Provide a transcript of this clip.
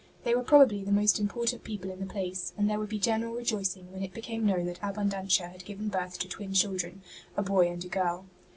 They were probably the most im portant people in the place, and there would be general rejoicing when it became known that Abundantia had given birth to twin children, a boy and a girl.